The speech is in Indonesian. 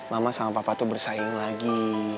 mama sama papa tuh bersaing lagi